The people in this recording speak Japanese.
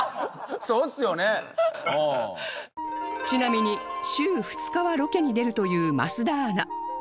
ちなみに週２日はロケに出るという桝田アナ